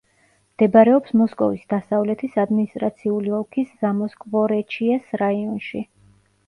მდებარეობს მოსკოვის დასავლეთის ადმინისტრაციული ოლქის ზამოსკვორეჩიეს რაიონში.